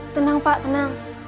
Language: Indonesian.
tenang pak tenang